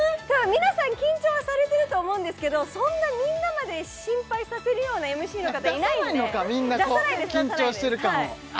皆さん緊張はされてると思うんですけどそんなみんなまで心配させるようなＭＣの方いないんで出さないのか出さないです